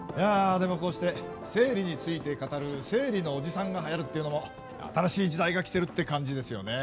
でもこうして生理について語る生理のおじさんがはやるっていうのも新しい時代が来てるって感じですよね。